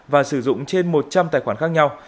và sử dụng trên một trăm linh tài khoản khác nhau